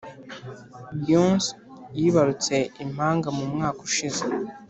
Beyonce yibarutse impanga mumwaka ushize